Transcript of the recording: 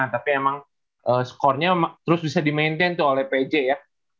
tapi emang skornya terus bisa di maintain tuh oleh pj ya